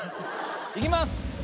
いきます。